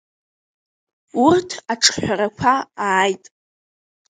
Урҭ аҿҳәарақәа ааит.